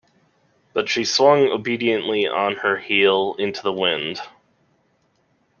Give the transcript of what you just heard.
But she swung obediently on her heel into the wind.